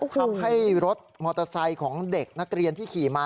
ทำให้รถมอเตอร์ไซค์ของเด็กนักเรียนที่ขี่มา